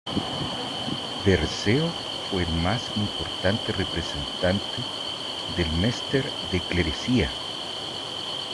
Berceo fue el más importante representante del mester de clerecía.